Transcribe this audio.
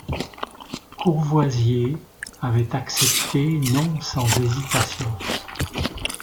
Courvoisier avait accepté non sans hésitation.